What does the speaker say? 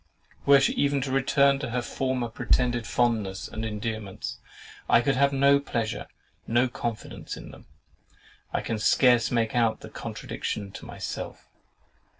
Were she even to return to her former pretended fondness and endearments, I could have no pleasure, no confidence in them. I can scarce make out the contradiction to myself.